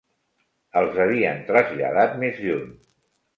Els havien traslladat més lluny